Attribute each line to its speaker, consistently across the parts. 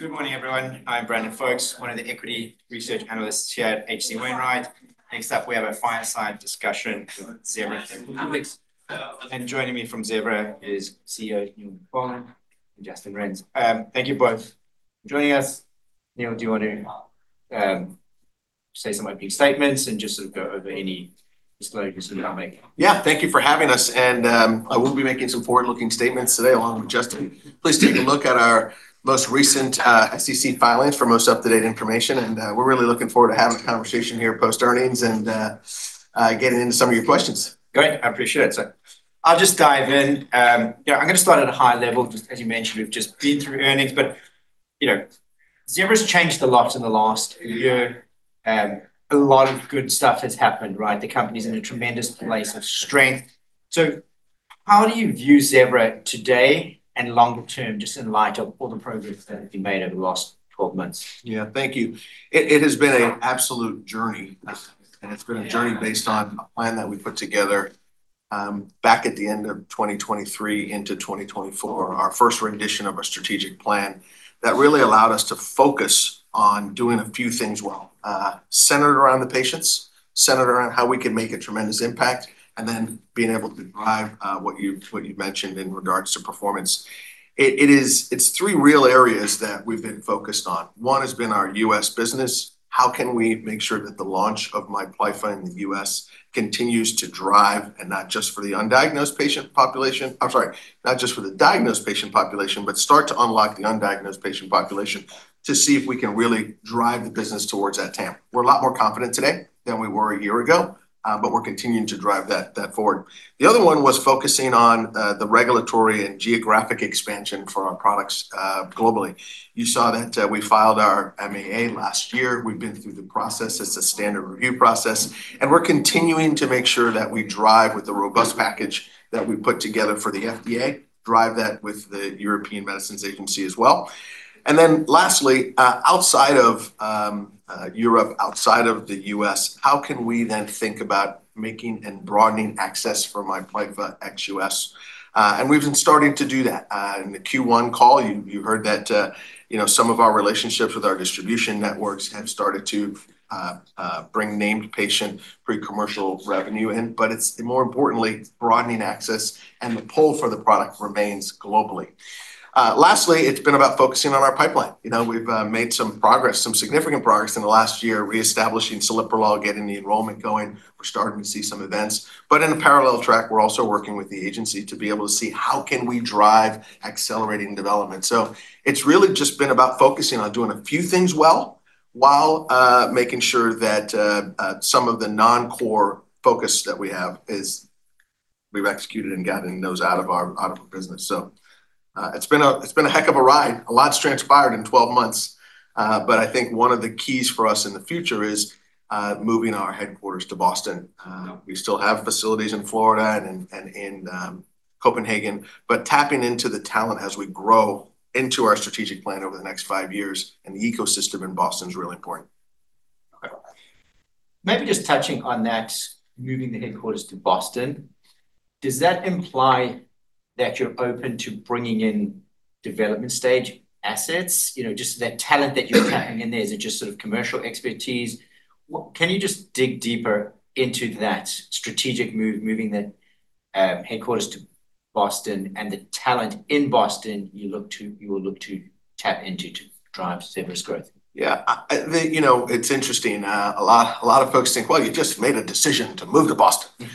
Speaker 1: Good morning, everyone. I'm Brandon Folkes, one of the equity research analysts here at H.C. Wainwright. Next up, we have a fireside discussion with Zevra Therapeutics. Joining me from Zevra is CEO Neil McFarlane and Justin Renz. Thank you both for joining us. Neil, do you want to say some opening statements and just sort of go over any disclosures you want to make?
Speaker 2: Yeah. Thank you for having us. I will be making some forward-looking statements today along with Justin. Please take a look at our most recent SEC filings for most up-to-date information, and we're really looking forward to having a conversation here post-earnings and getting into some of your questions.
Speaker 1: Great. I appreciate it. I'll just dive in. Yeah, I'm going to start at a high level. Just as you mentioned, we've just been through earnings, you know, Zevra's changed a lot in the last year. A lot of good stuff has happened, right? The company's in a tremendous place of strength. How do you view Zevra today and longer term, just in light of all the progress that has been made over the last 12 months?
Speaker 2: Yeah. Thank you. It has been an absolute journey, and it's been a journey based on a plan that we put together back at the end of 2023 into 2024, our first rendition of our strategic plan that really allowed us to focus on doing a few things well. Centered around the patients, centered around how we can make a tremendous impact, being able to drive what you mentioned in regards to performance. It's three real areas that we've been focused on. One has been our U.S. business. How can we make sure that the launch of MIPLYFFA in the U.S. continues to drive, not just for the diagnosed patient population, but start to unlock the undiagnosed patient population to see if we can really drive the business towards that TAM. We're a lot more confident today than we were a year ago, but we're continuing to drive that forward. The other one was focusing on the regulatory and geographic expansion for our products globally. You saw that we filed our MAA last year. We've been through the process. It's a standard review process, and we're continuing to make sure that we drive with the robust package that we put together for the FDA, drive that with the European Medicines Agency as well. Lastly, outside of Europe, outside of the U.S., how can we think about making and broadening access for MIPLYFFA ex-U.S.? We've been starting to do that. In the Q1 call, you heard that, you know, some of our relationships with our distribution networks have started to bring named patient pre-commercial revenue in. More importantly, broadening access, and the pull for the product remains globally. Lastly, it's been about focusing on our pipeline. You know, we've made some progress, some significant progress in the last year, reestablishing celiprolol, getting the enrollment going. We're starting to see some events. In a parallel track, we're also working with the agency to be able to see how can we drive accelerating development. It's really just been about focusing on doing a few things well while making sure that some of the non-core focus that we have is we've executed in getting those out of our, out of our business. It's been a heck of a ride. A lot's transpired in 12 months. I think one of the keys for us in the future is moving our headquarters to Boston. We still have facilities in Florida and Copenhagen, but tapping into the talent as we grow into our strategic plan over the next five years, and the ecosystem in Boston is really important.
Speaker 1: Okay. Maybe just touching on that, moving the headquarters to Boston, does that imply that you're open to bringing in development stage assets? You know, just that talent that you're tapping in there. Is it just sort of commercial expertise? Can you just dig deeper into that strategic move, moving the headquarters to Boston and the talent in Boston you will look to tap into to drive Zevra's growth?
Speaker 2: Yeah. you know, it's interesting. A lot of folks think, "Well, you just made a decision to move to Boston."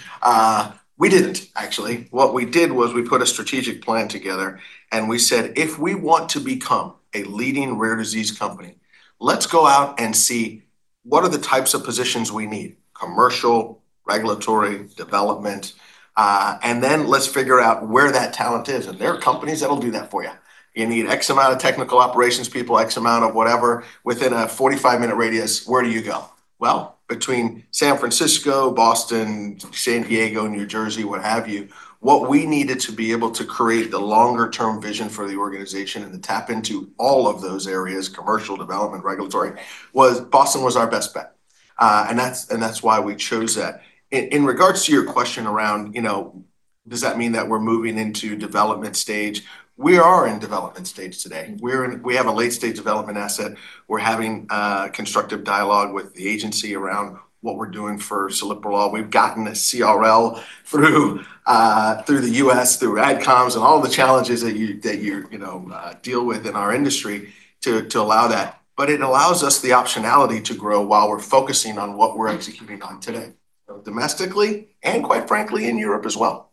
Speaker 2: We didn't, actually. What we did was we put a strategic plan together, and we said, "If we want to become a leading rare disease company, let's go out and see what are the types of positions we need, commercial, regulatory, development, and then let's figure out where that talent is." There are companies that'll do that for you. You need X amount of technical operations people, X amount of whatever. Within a 45-minute radius, where do you go? Well, between San Francisco, Boston, San Diego, New Jersey, what have you, what we needed to be able to create the longer term vision for the organization and to tap into all of those areas, commercial, development, regulatory, was Boston was our best bet. That's, and that's why we chose that. In regards to your question around, you know, does that mean that we're moving into development stage, we are in development stage today. We have a late-stage development asset. We're having constructive dialogue with the agency around what we're doing for celiprolol. We've gotten a CRL through the U.S., through AdComs and all the challenges that you know, deal with in our industry to allow that. It allows us the optionality to grow while we're focusing on what we're executing on today, both domestically and, quite frankly, in Europe as well.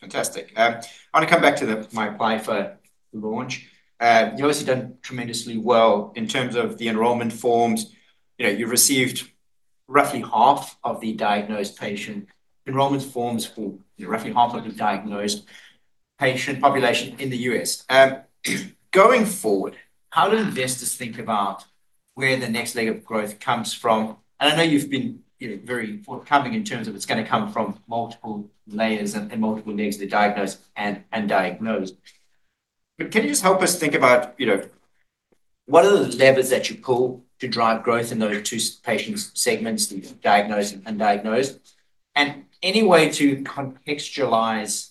Speaker 1: Fantastic. I want to come back to the MIPLYFFA launch. You obviously done tremendously well in terms of the enrollment forms. You know, you received roughly half of the diagnosed patient enrollment forms for, you know, roughly half of the diagnosed patient population in the U.S. Going forward, how do investors think about where the next leg of growth comes from? I know you've been, you know, very forthcoming in terms of it's gonna come from multiple layers and multiple legs, the diagnosed and undiagnosed. Can you just help us think about, you know, what are the levers that you pull to drive growth in those two patient segments, the diagnosed and undiagnosed? Any way to contextualize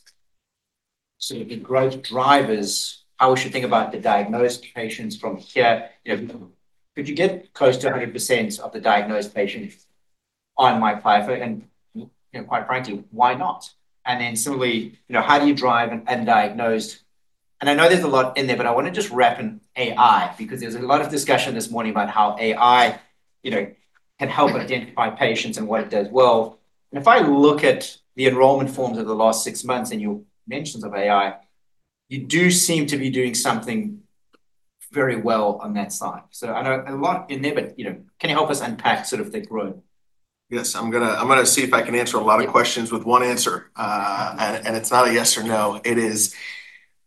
Speaker 1: sort of the growth drivers, how we should think about the diagnosed patients from here? You know, could you get close to 100% of the diagnosed patients on MIPLYFFA? You know, quite frankly, why not? Similarly, you know, how do you drive an undiagnosed. I know there's a lot in there, but I want to just wrap in AI because there was a lot of discussion this morning about how AI, you know, can help identify patients and what it does well. If I look at the enrollment forms over the last six months and your mentions of AI, you do seem to be doing something very well on that side. I know a lot in there, but, you know, can you help us unpack sort of the growth?
Speaker 2: Yes, I'm gonna see if I can answer a lot of questions with one answer. It's not a yes or no. It is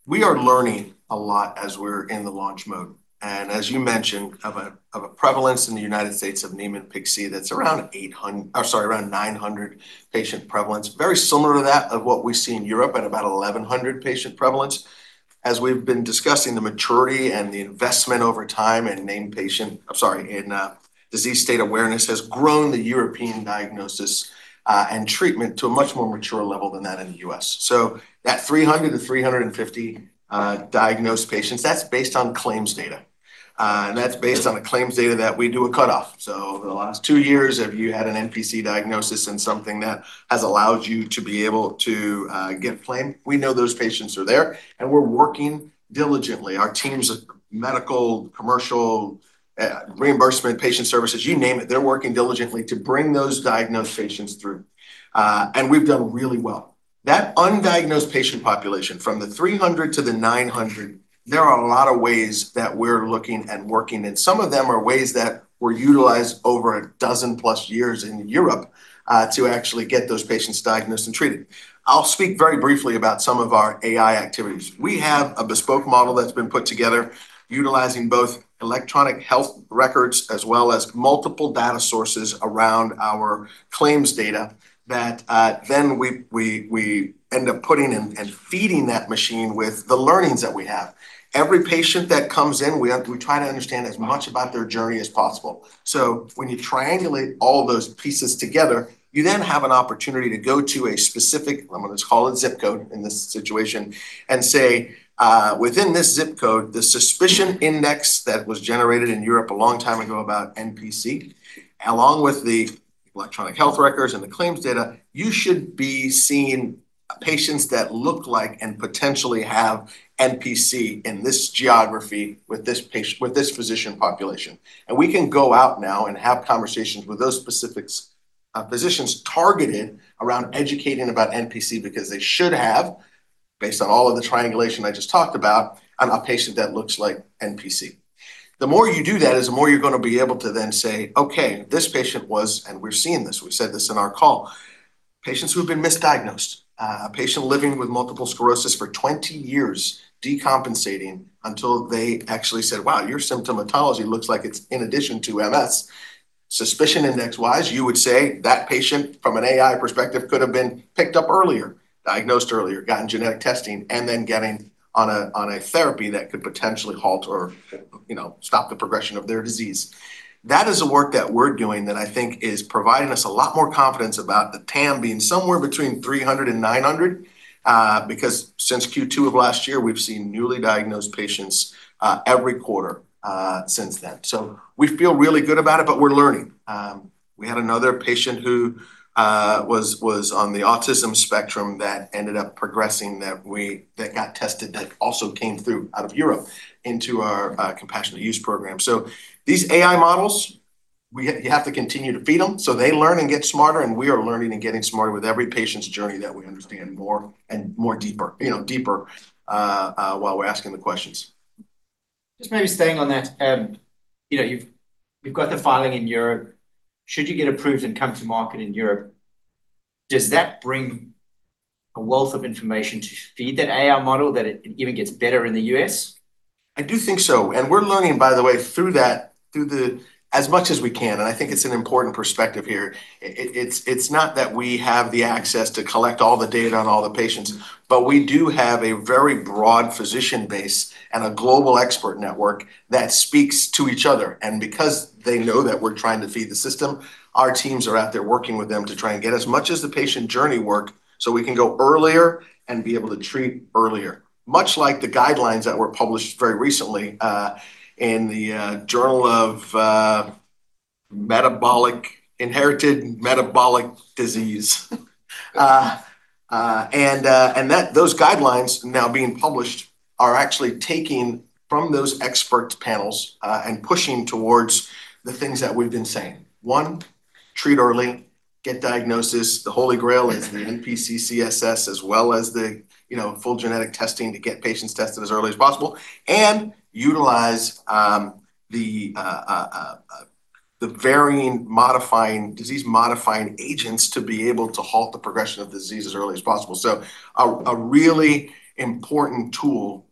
Speaker 2: we are learning a lot as we're in the launch mode. As you mentioned, of a prevalence in the U.S. of Niemann-Pick C that's around 900 patient prevalence. Very similar to that of what we see in Europe at about 1,100 patient prevalence. As we've been discussing, the maturity and the investment over time in disease state awareness has grown the European diagnosis and treatment to a much more mature level than that in the U.S. That 300 to 350 diagnosed patients, that's based on claims data. That's based on the claims data that we do a cutoff. Over the last two years, if you had an NPC diagnosis and something that has allowed you to be able to get claim, we know those patients are there, and we're working diligently. Our teams of medical, commercial, reimbursement, patient services, you name it, they're working diligently to bring those diagnosed patients through. We've done really well. That undiagnosed patient population from the 300 to the 900, there are a lot of ways that we're looking and working, and some of them are ways that were utilized over 12+ years in Europe to actually get those patients diagnosed and treated. I'll speak very briefly about some of our AI activities. We have a bespoke model that's been put together utilizing both electronic health records as well as multiple data sources around our claims data that then we end up putting and feeding that machine with the learnings that we have. Every patient that comes in, we try to understand as much about their journey as possible. When you triangulate all those pieces together, you then have an opportunity to go to a specific, I'm gonna just call it zip code in this situation, and say, within this zip code, the suspicion index that was generated in Europe a long time ago about NPC, along with the electronic health records and the claims data, you should be seeing patients that look like and potentially have NPC in this geography with this physician population. We can go out now and have conversations with those specific physicians targeted around educating about NPC because they should have, based on all of the triangulation I just talked about, a patient that looks like NPC. The more you do that is the more you're gonna be able to then say, "Okay, this patient was." And we're seeing this, we said this in our call. Patients who have been misdiagnosed, a patient living with multiple sclerosis for 20 years, decompensating until they actually said, "Wow, your symptomatology looks like it's in addition to MS." Suspicion index-wise, you would say that patient from an AI perspective could have been picked up earlier, diagnosed earlier, gotten genetic testing, and then getting on a therapy that could potentially halt or, you know, stop the progression of their disease. That is the work that we're doing that I think is providing us a lot more confidence about the TAM being somewhere between 300 and 900, because since Q2 of last year, we've seen newly diagnosed patients every quarter since then. We feel really good about it, but we're learning. We had another patient who was on the autism spectrum that ended up progressing that got tested that also came through out of Europe into our compassionate use program. These AI models, we have to continue to feed them, so they learn and get smarter, and we are learning and getting smarter with every patient's journey that we understand more and more deeper, you know, deeper, while we're asking the questions.
Speaker 1: Just maybe staying on that, you know, you've got the filing in Europe. Should you get approved and come to market in Europe, does that bring a wealth of information to feed that AI model that it even gets better in the U.S.?
Speaker 2: I do think so. We're learning, by the way, through that, as much as we can, and I think it's an important perspective here. It's not that we have the access to collect all the data on all the patients, but we do have a very broad physician base and a global expert network that speaks to each other. Because they know that we're trying to feed the system, our teams are out there working with them to try and get as much as the patient journey work so we can go earlier and be able to treat earlier. Much like the guidelines that were published very recently in the Journal of Inherited Metabolic Disease. Those guidelines now being published are actually taking from those expert panels and pushing towards the things that we've been saying. One, treat early, get diagnosis. The holy grail is the NPCCSS as well as the, you know, full genetic testing to get patients tested as early as possible, and utilize the varying modifying, disease-modifying agents to be able to halt the progression of disease as early as possible. A really important tool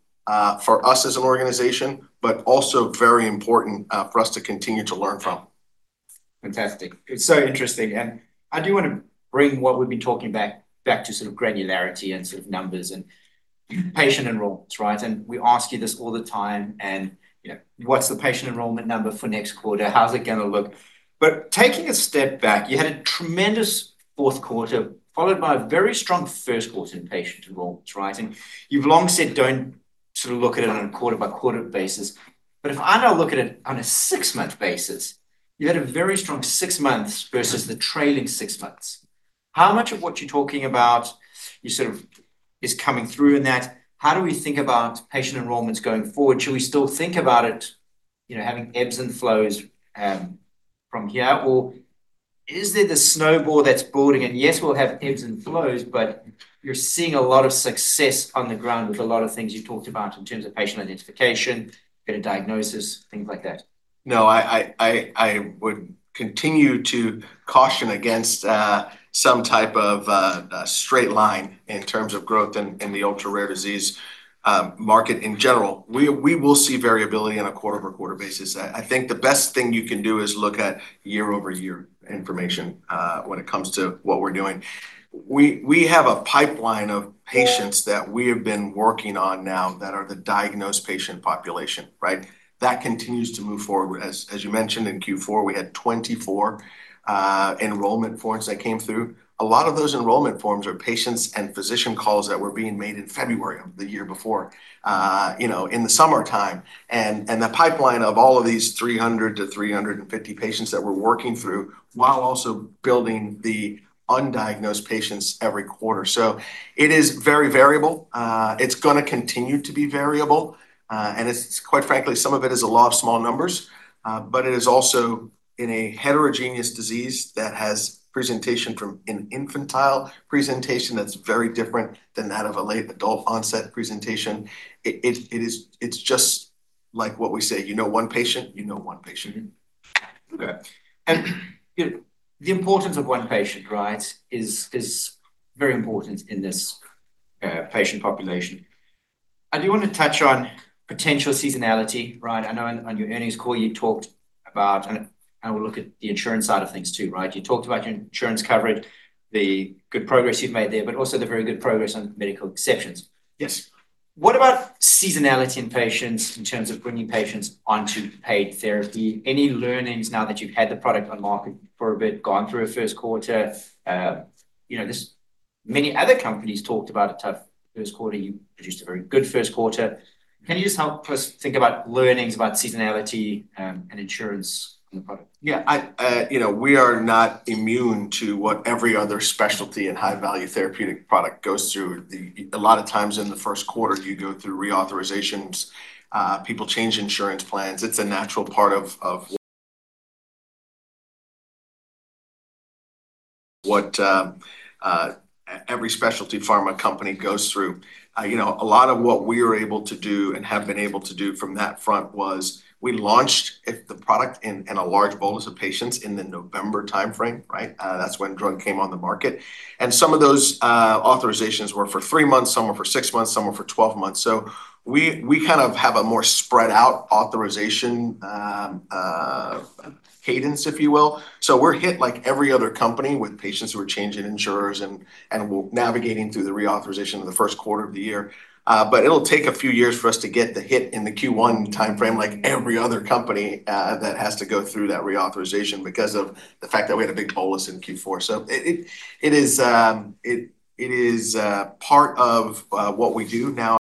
Speaker 2: for us as an organization, but also very important for us to continue to learn from.
Speaker 1: Fantastic. It's so interesting. I do want to bring what we've been talking back to sort of granularity and sort of numbers, patient enrollments, right? We ask you this all the time, you know, what's the patient enrollment number for next quarter? How's it going to look? Taking a step back, you had a tremendous fourth quarter followed by a very strong first quarter in patient enrollments, right? You've long said don't sort of look at it on a quarter-by-quarter basis. If I now look at it on a six-month basis, you had a very strong six months versus the trailing six months. How much of what you're talking about, you sort of, is coming through in that? How do we think about patient enrollments going forward? Should we still think about it, you know, having ebbs and flows from here? Or is it the snowball that's building and, yes, we'll have ebbs and flows, but you're seeing a lot of success on the ground with a lot of things you've talked about in terms of patient identification, better diagnosis, things like that.
Speaker 2: No, I would continue to caution against some type of straight line in terms of growth in the ultra-rare disease market in general. We will see variability on a quarter-over-quarter basis. I think the best thing you can do is look at year-over-year information when it comes to what we're doing. We have a pipeline of patients that we have been working on now that are the diagnosed patient population, right? That continues to move forward. As you mentioned, in Q4, we had 24 enrollment forms that came through. A lot of those enrollment forms are patients and physician calls that were being made in February of the year before, you know, in the summertime. The pipeline of all of these 300 to 350 patients that we're working through, while also building the undiagnosed patients every quarter. It is very variable. It's gonna continue to be variable. Quite frankly, some of it is the law of small numbers. It is also in a heterogeneous disease that has presentation from an infantile presentation that's very different than that of a late adult onset presentation. It's just like what we say, "You know one patient, you know one patient."
Speaker 1: Mm-hmm. Okay. You know, the importance of one patient, right, is very important in this patient population. I do want to touch on potential seasonality, right? I know on your earnings call you talked about and we'll look at the insurance side of things too, right? You talked about your insurance coverage, the good progress you've made there, but also the very good progress on medical exceptions.
Speaker 2: Yes.
Speaker 1: What about seasonality in patients in terms of bringing patients onto paid therapy? Any learnings now that you've had the product on market for a bit, gone through a first quarter? You know, there's many other companies talked about a tough first quarter. You produced a very good first quarter. Can you just help us think about learnings about seasonality and insurance on the product?
Speaker 2: Yeah. I, you know, we are not immune to what every other specialty and high-value therapeutic product goes through. A lot of times in the first quarter, you go through reauthorizations. People change insurance plans. It's a natural part of what every specialty pharma company goes through. You know, a lot of what we are able to do and have been able to do from that front was we launched it, the product, in a large bolus of patients in the November timeframe, right? That's when the drug came on the market. Some of those authorizations were for three months, some were for six months, some were for 12 months. We kind of have a more spread out authorization cadence, if you will. We're hit like every other company with patients who are changing insurers and we're navigating through the reauthorization of the first quarter of the year. It'll take a few years for us to get the hit in the Q1 timeframe like every other company that has to go through that reauthorization because of the fact that we had a big bolus in Q4. It is part of what we do now.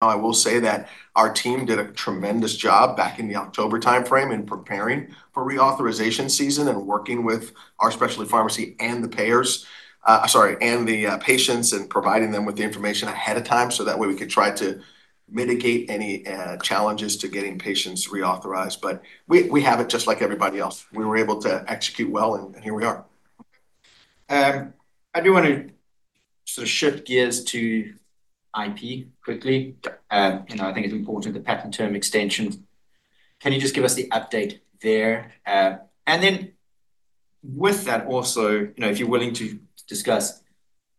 Speaker 2: I will say that our team did a tremendous job back in the October timeframe in preparing for reauthorization season and working with our specialty pharmacy and the payers, sorry, and the patients in providing them with the information ahead of time, so that way we could try to mitigate any challenges to getting patients reauthorized. We have it just like everybody else. We were able to execute well, and here we are.
Speaker 1: I do wanna sort of shift gears to IP quickly.
Speaker 2: Sure.
Speaker 1: You know, I think it's important, the patent term extension. Can you just give us the update there? Then with that also, you know, if you're willing to discuss,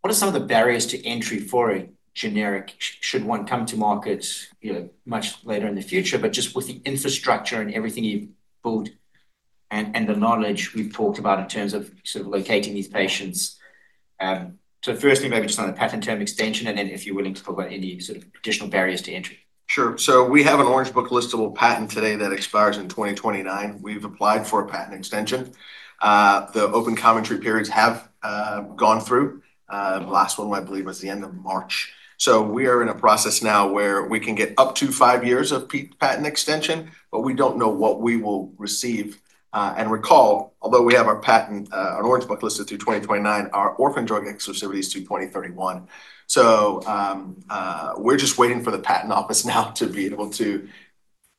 Speaker 1: what are some of the barriers to entry for a generic, should one come to market, you know, much later in the future? Just with the infrastructure and everything you've built and the knowledge we've talked about in terms of sort of locating these patients. Firstly maybe just on the patent term extension, and then if you're willing to talk about any sort of additional barriers to entry.
Speaker 2: Sure. We have an Orange Book list of a patent today that expires in 2029. We've applied for a patent extension. The open commentary periods have gone through. The last one I believe was the end of March. We are in a process now where we can get up to five years of patent extension, but we don't know what we will receive. And recall, although we have our patent on Orange Book listed through 2029, our orphan drug exclusivity is through 2031. We're just waiting for the patent office now to be able to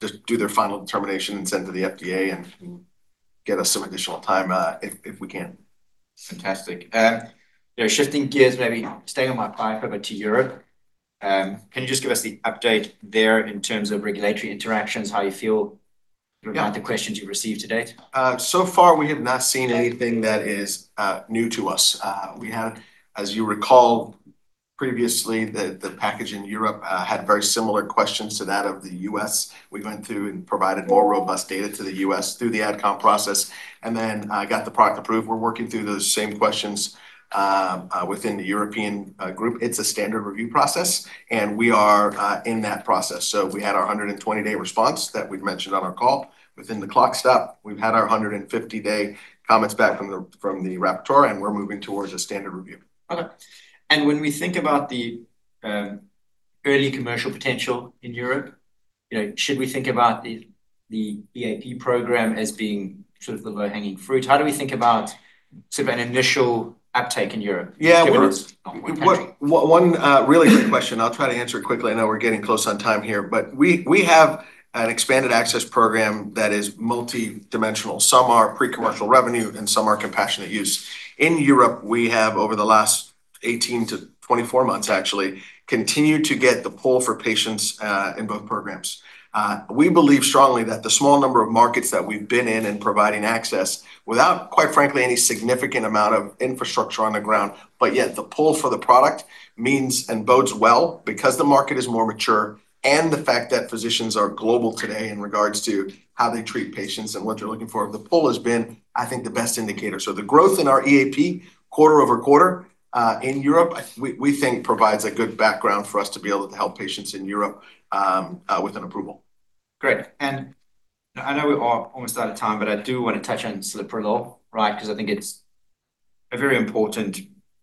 Speaker 2: just do their final determination and send to the FDA and get us some additional time, if we can.
Speaker 1: Fantastic. you know, shifting gears maybe staying on pipe over to Europe. Can you just give us the update there in terms of regulatory interactions? How you feel—
Speaker 2: Yeah.
Speaker 1: —about the questions you've received to date?
Speaker 2: So far we have not seen anything that is new to us. We had, as you recall, previously, the package in Europe had very similar questions to that of the U.S. We went through and provided more robust data to the U.S. through the AdCom process and then got the product approved. We're working through those same questions within the European Group. It's a standard review process, and we are in that process. We had our 120-day response that we'd mentioned on our call. Within the clock stop, we've had our 150-day comments back from the rapporteur, and we're moving towards a standard review.
Speaker 1: Okay. When we think about the early commercial potential in Europe, you know, should we think about the EAP program as being sort of the low-hanging fruit? How do we think about sort of an initial uptake in Europe?
Speaker 2: Yeah.
Speaker 1: Given it's not one country.
Speaker 2: Really good question. I'll try to answer it quickly. I know we're getting close on time here. We have an expanded access program that is multidimensional. Some are pre-commercial revenue and some are compassionate use. In Europe, we have over the last 18-24 months actually continued to get the pull for patients in both programs. We believe strongly that the small number of markets that we've been in and providing access without, quite frankly, any significant amount of infrastructure on the ground, but yet the pull for the product means and bodes well because the market is more mature and the fact that physicians are global today in regards to how they treat patients and what they're looking for. The pull has been, I think, the best indicator. The growth in our EAP quarter-over-quarter, in Europe, we think provides a good background for us to be able to help patients in Europe with an approval.
Speaker 1: Great. I know we are almost out of time, but I do want to touch on celiprolol, right? Because I think it's a very important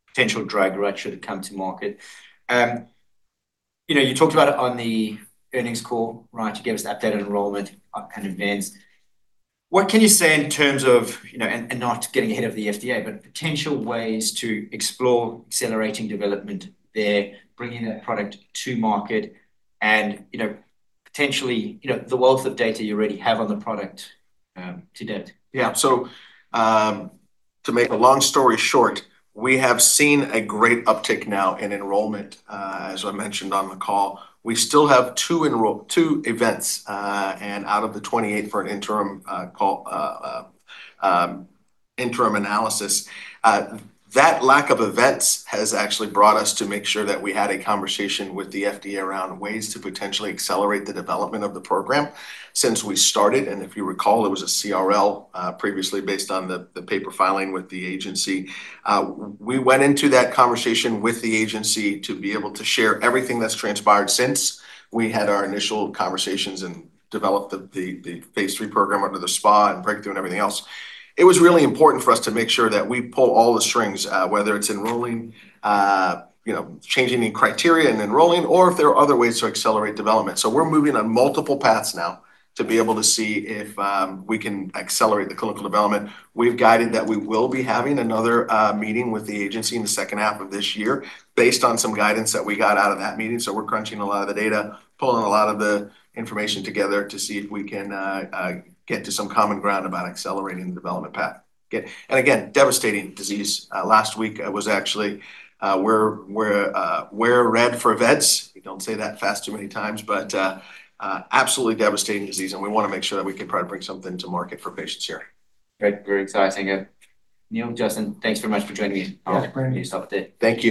Speaker 1: potential driver, right, should it come to market. You know, you talked about it on the earnings call, right? You gave us updated enrollment and events. What can you say in terms of, you know, and not getting ahead of the FDA, but potential ways to explore accelerating development there, bringing that product to market and, you know, potentially, you know, the wealth of data you already have on the product to date?
Speaker 2: Yeah. To make a long story short, we have seen a great uptick now in enrollment, as I mentioned on the call. We still have two events, and out of the 28 for an interim call, interim analysis. That lack of events has actually brought us to make sure that we had a conversation with the FDA around ways to potentially accelerate the development of the program since we started, and if you recall, it was a CRL previously based on the paper filing with the agency. We went into that conversation with the agency to be able to share everything that's transpired since we had our initial conversations and developed the phase III program under the SPA and breakthrough and everything else. It was really important for us to make sure that we pull all the strings, whether it's enrolling, you know, changing any criteria and enrolling, or if there are other ways to accelerate development. We're moving on multiple paths now to be able to see if we can accelerate the clinical development. We've guided that we will be having another meeting with the agency in the second half of this year based on some guidance that we got out of that meeting. We're crunching a lot of the data, pulling a lot of the information together to see if we can get to some common ground about accelerating the development path. Again, devastating disease. Last week was actually, Wear Red for vEDS. We don't say that fast too many times, but absolutely devastating disease, and we wanna make sure that we can probably bring something to market for patients here.
Speaker 1: Great. Very exciting, yeah. Neil, Justin, thanks very much for joining me.
Speaker 2: Yeah.
Speaker 1: I look forward to your update.
Speaker 2: Thank you.